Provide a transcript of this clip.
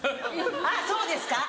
あっそうですか。